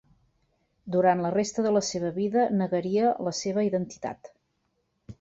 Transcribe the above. Durant la resta de la seva vida negaria la seva identitat.